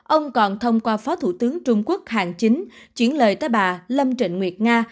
ông còn thông qua phó thủ tướng trung quốc hàng chính chuyển lời tới bà lâm trịnh nguyệt nga